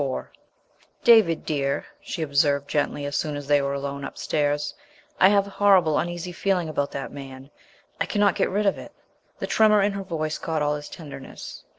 ~IV~ "David, dear," she observed gently as soon as they were alone upstairs, "I have a horrible uneasy feeling about that man. I cannot get rid of it." The tremor in per voice caught all his tenderness.